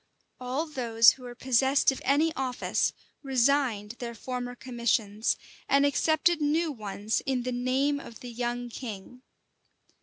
All those who were possessed of any office resigned their former commissions, and accepted new ones in the name of the young king.